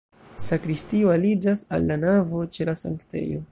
Sakristio aliĝas al la navo ĉe la sanktejo.